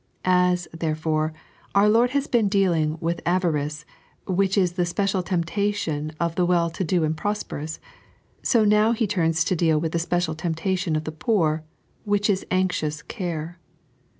As, there fore, our Lord has been dealing with avarice, which is the special temptation of the well to do and prosperous, so now He turns to deal with the special temptation of the poor, which is anxious care.